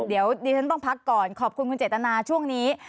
เดี๋ยวดิฉันต้องพักก่อนขอบคุณคุณเจตนาช่วงนี้